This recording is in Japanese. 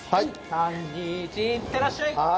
３、２、１、いってらっしゃい！